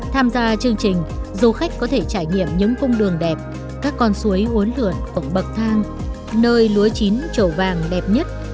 tham gia chương trình du khách có thể trải nghiệm những cung đường đẹp các con suối uốn lượn cổng bậc thang nơi lúa chín trổ vàng đẹp nhất